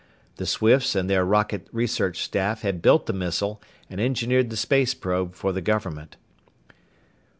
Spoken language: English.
The Swifts and their rocket research staff had built the missile and engineered the space probe for the government.